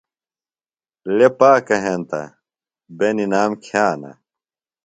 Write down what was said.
۔لےۡ پاکہ ہینتہ بے نِنام کِھیانہ۔